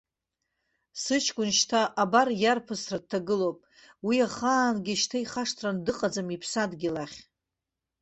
Сыҷкәын шьҭа абар иарԥысра дҭагылоуп, уи ахаангьы шьҭа ихашҭран дыҟаӡам иԥсадгьыл ахь.